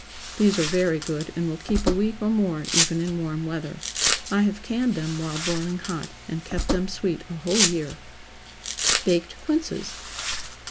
These are very good, and will keep a week or more, even in warm weather. I have canned them while boiling hot, and kept them sweet a whole year. BAKED QUINCES.